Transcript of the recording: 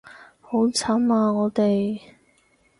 好慘啊我哋